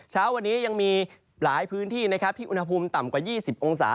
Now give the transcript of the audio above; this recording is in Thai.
เช้าวันนี้ยังมีหลายพื้นที่นะครับที่อุณหภูมิต่ำกว่า๒๐องศา